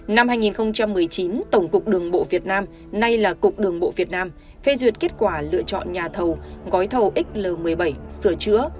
năm hai nghìn một mươi chín tổng cục đường bộ việt nam nay là cục đường bộ việt nam phê duyệt kết quả lựa chọn nhà thầu gói thầu xl một mươi bảy sửa chữa